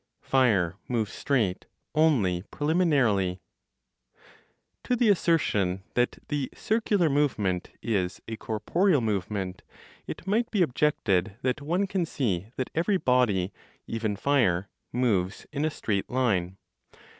FIRE MOVES STRAIGHT ONLY PRELIMINARILY. To the assertion that the circular movement is a corporeal movement, it might be objected that one can see that every body, even fire, moves in a straight line.